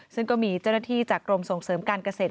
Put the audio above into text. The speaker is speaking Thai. ซึ่งก็มีเจ้าหน้าที่จากกรมส่งเสริมการเกษตร